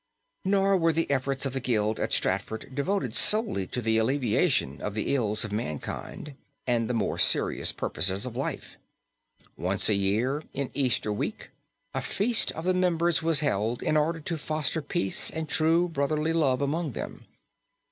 Nor were the efforts of the Guild at Stratford devoted solely to the alleviation of the ills of mankind and the more serious purposes of life. Once a year, in Easter Week, a feast of the members was held in order to foster peace and true brotherly love among them.